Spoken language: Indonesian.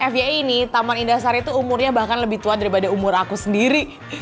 fa ini taman indahsar itu umurnya bahkan lebih tua daripada umur aku sendiri